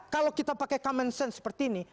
kalau kita pakai common sense seperti ini